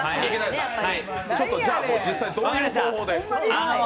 では、実際どういう方法で？